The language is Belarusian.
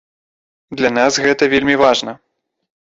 Для нас гэта вельмі важна.